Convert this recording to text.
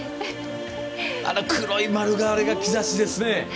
あの黒い丸、あれが兆しですね。